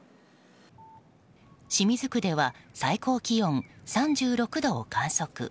清水区では最高気温３６度を観測。